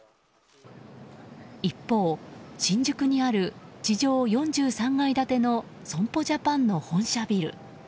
一方、新宿にある地上４３階建ての損保ジャパンの本社ビル。